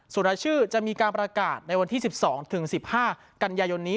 ส่วนรายชื่อจะมีการประกาศในวันที่๑๒๑๕กันยายนนี้